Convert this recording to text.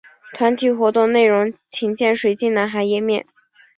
团体活动内容请见水晶男孩页面。